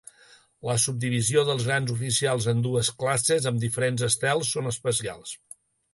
La subdivisió dels grans oficials en dues classes amb diferents estels són especials.